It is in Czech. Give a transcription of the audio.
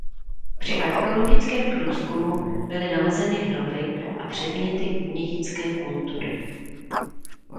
Při archeologickém průzkumu byly nalezeny hroby a předměty únětické kultury.